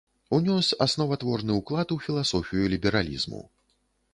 Унёс асноватворны ўклад у філасофію лібералізму.